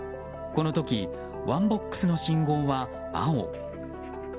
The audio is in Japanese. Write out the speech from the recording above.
この時、ワンボックスの信号は青。